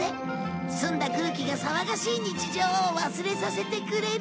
澄んだ空気が騒がしい日常を忘れさせてくれる。